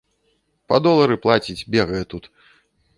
Па долары плаціць, бегае тут.